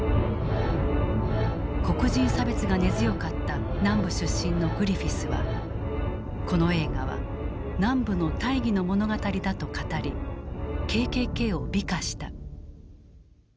黒人差別が根強かった南部出身のグリフィスは「この映画は南部の大義の物語だ」と語りＫＫＫを美化した。